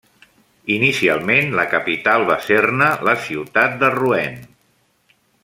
Inicialment, la capital va ser-ne la ciutat de Rouen.